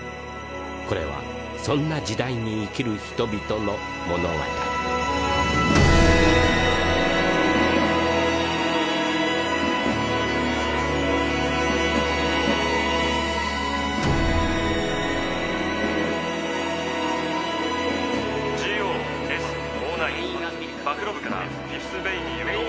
これはそんな時代に生きる人々の物語宇宙だ。